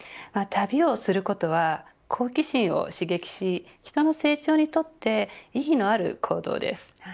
旅をすることは好奇心を刺激し人の成長にとって意義のある行動です。